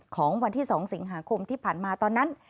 ของวันที่๒สิงหาคมที่ผ่านมาตอนนั้น